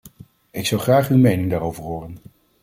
Ik zou graag uw mening daarover horen.